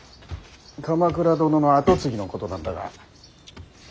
鎌倉殿の跡継ぎのことなんだが。